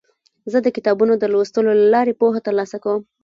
زه د کتابونو د لوستلو له لارې پوهه ترلاسه کوم.